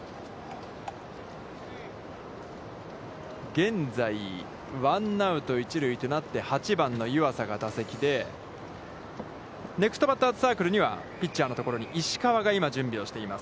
現在ワンアウト、一塁となって８番の湯浅が打席で、ネクストバッターズサークルにはピッチャーのところに石川が今準備をしています。